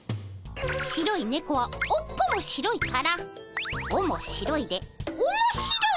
白いねこは尾っぽも白いから尾も白いで面白い。